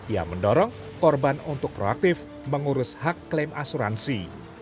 ia mendorong korban untuk proaktif mengurus hak klaim asuransi